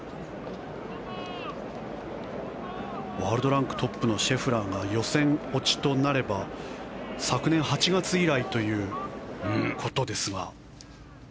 ワールドランクトップのシェフラーが予選落ちとなれば昨年８月以来ということですが。